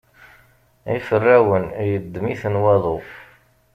Iferrawen yeddem-ten waḍu.